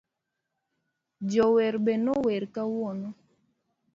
Jower be nower kawuono,.